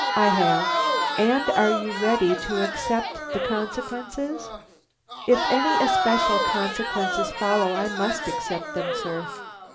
"I have." "And are you ready to accept the consequences?" "If any especial consequences follow, I must accept them, sir."